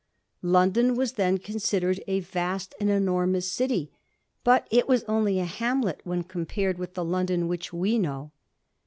London was then considered a vast and enormous city, but it was only a hamlet when compared with the London which we know.